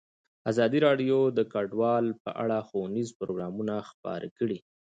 ازادي راډیو د کډوال په اړه ښوونیز پروګرامونه خپاره کړي.